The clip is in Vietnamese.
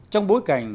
trong bối cảnh